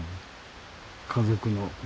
家族のね